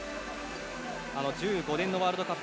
１５年のワールドカップ